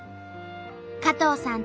加藤さん